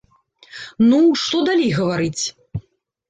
Ну, што далей гаварыць.